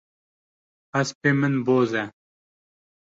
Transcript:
Hespê min boz e.